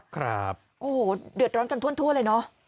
ครับโอ้โหเดือดร้อนกันทั่วเลยเนอะ